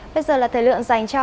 bây giờ là thời lượng dành cho